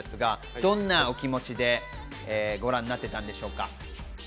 どんなお気持ちで、ご覧になっていたんですか？